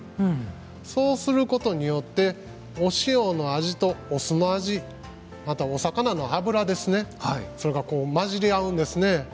そうすることによってお塩の味とお酢の味またお魚の脂それが混じり合うんですね。